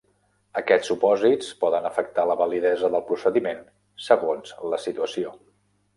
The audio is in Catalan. Aquests supòsits poden afectar la validesa del procediment segons la situació.